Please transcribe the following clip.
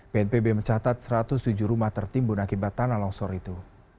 bnpb mencatat satu ratus tujuh rumah tertimbun akibat tanah longsor itu